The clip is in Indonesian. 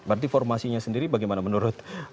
berarti formasinya sendiri bagaimana menurut